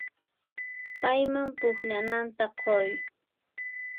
Payman pukllananta quy.